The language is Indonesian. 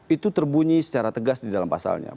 itu terbunyi secara tegas di dalam pasalnya